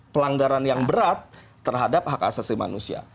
pada hak asasi manusia